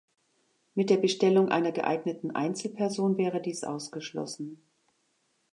Mit der Bestellung einer geeigneten Einzelperson wäre dies ausgeschlossen.